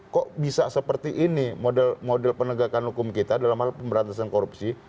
kok bisa seperti ini model model penegakan hukum kita dalam hal pemberantasan korupsi